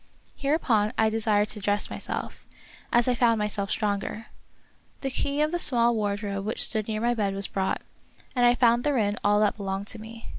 Hereupon I desired to dress myself, as I found myself stronger. The key of the small ward robe which stood near my bed was brought. of Peter Schlemihl. 113 and I found therein all that belonged to me.